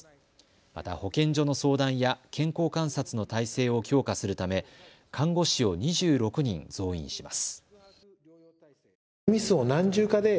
また保健所の相談や健康観察の体制を強化するため看護師を２６人増員します。